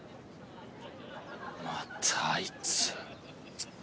またあいつチッ。